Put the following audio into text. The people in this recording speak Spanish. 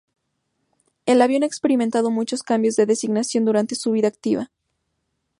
El avión ha experimentado muchos cambios de designación durante su vida activa.